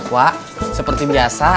wah seperti biasa